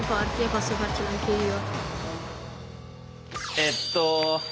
えっと